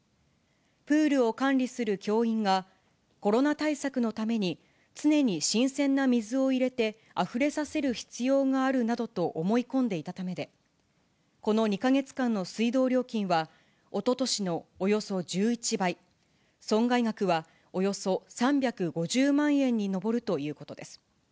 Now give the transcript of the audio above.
プールを管理する教員が、コロナ対策のために、常に新鮮な水を入れて、あふれさせる必要があるなどと思い込んでいたためで、この２か月間の水道料金は、おととしのおよそ１１倍、損害額はおよそ３５０万円に上るということです。